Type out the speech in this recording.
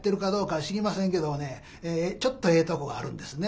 ちょっとええとこがあるんですね。